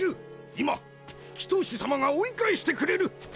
今祈祷師様が追い返してくれる！